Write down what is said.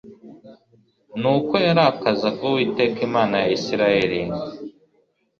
nuko yarakazaga Uwiteka Imana ya Isirayeli